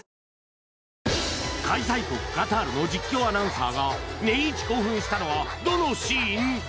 開催国カタールの実況アナウンサーがネンイチ興奮したのはどのシーン？